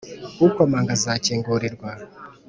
ukomanga azakingurirwa.